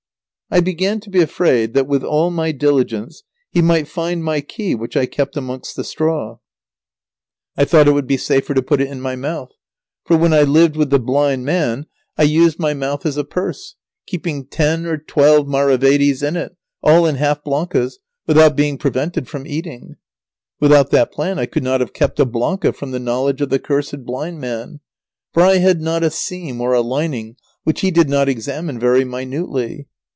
I began to be afraid that, with all my diligence, he might find my key which I kept amongst the straw. I thought it would be safer to put it in my mouth. [Sidenote: Lazaro determined to keep the key in his mouth a fatal mistake.] For when I lived with the blind man I used my mouth as a purse, keeping ten or twelve maravedis in it, all in half blancas, without being prevented from eating. Without that plan I could not have kept a blanca from the knowledge of the cursed blind man, for I had not a seam or a lining which he did not examine very minutely.